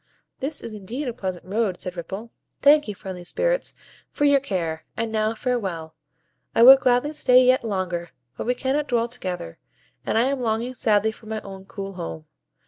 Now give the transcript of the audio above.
"This is indeed a pleasant road," said Ripple. "Thank you, friendly Spirits, for your care; and now farewell. I would gladly stay yet longer, but we cannot dwell together, and I am longing sadly for my own cool home.